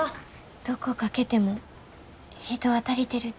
どこかけても人は足りてるて。